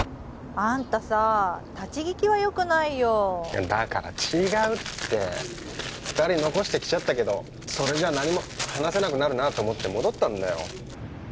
あんたさ立ち聞きはよくないよだから違うって二人残してきちゃったけどそれじゃ何も話せなくなるなと思って戻ったんだよ